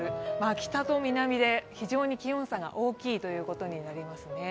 北と南で非常に気温差が大きいということになります。